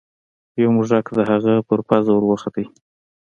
یو موږک د هغه په پوزه ور وخوت.